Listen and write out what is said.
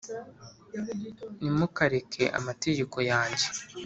Ntimukareke amategeko yanjye